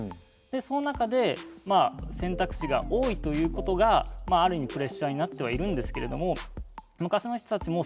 その中で選択肢が多いということがまあある意味プレッシャーになってはいるんですけれどもだからこそ未来に。